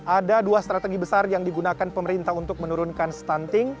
ada dua strategi besar yang digunakan pemerintah untuk menurunkan stunting